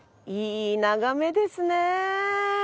いい眺めですね。